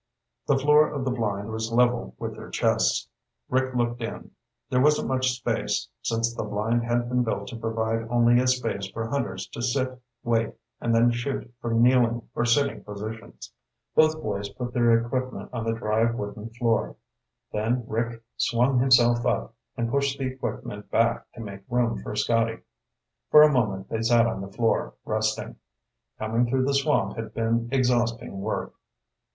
The floor of the blind was level with their chests. Rick looked in. There wasn't much space, since the blind had been built to provide only a place for hunters to sit, wait, and then shoot from kneeling or sitting positions. Both boys put their equipment on the dry wooden floor. Then Rick swung himself up and pushed the equipment back to make room for Scotty. For a moment they sat on the floor, resting. Coming through the swamp had been exhausting work.